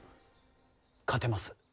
勝てます